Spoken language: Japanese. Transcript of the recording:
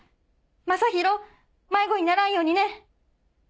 「雅弘迷子にならんようにね！」。